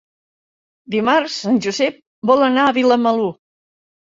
Dimarts en Josep vol anar a Vilamalur.